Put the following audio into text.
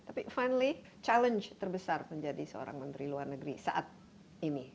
tapi finely challenge terbesar menjadi seorang menteri luar negeri saat ini